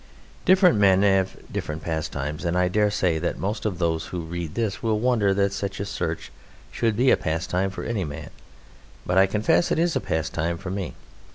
Different men have different pastimes, and I dare say that most of those who read this will wonder that such a search should be a pastime for any man, but I confess it is a pastime for me.